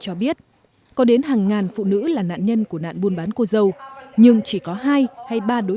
bà hoshia khan bốn mươi tuổi một nhà hoạt động nhân quyền từng là nạn nhân của nạn buôn bán cô dâu ở haryana trước khi bị bỏ rơi